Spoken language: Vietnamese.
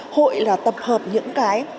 hội là tập hợp những cái